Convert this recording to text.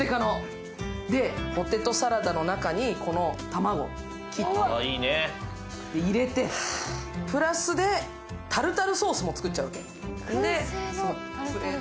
ポテトサラダの中にこの玉子を切って、入れて、プラスでタルタルソースも作っちゃう。